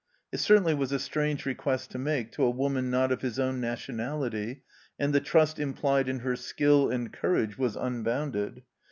It certainly was a strange request to make to a woman not of his own nationality, and the trust implied in her skill and courage was un bounded.